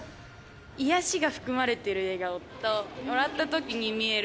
癒やしが含まれている笑顔と、笑ったときに見える